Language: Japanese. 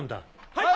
はい！